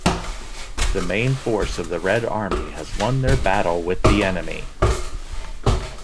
The main force of the Red Army has won their battle with the enemy.